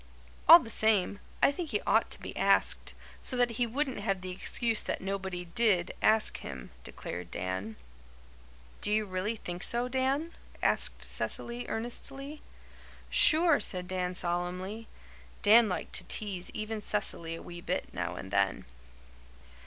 "All the same, I think he ought to be asked, so that he wouldn't have the excuse that nobody DID ask him," declared Dan. "Do you really think so, Dan?" asked Cecily earnestly. "Sure," said Dan, solemnly. Dan liked to tease even Cecily a wee bit now and then.